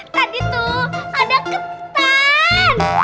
tadi tuh ada ketan